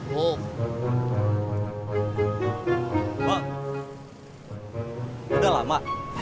mak udah lama